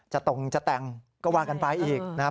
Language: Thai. ตรงจะแต่งก็ว่ากันไปอีกนะครับ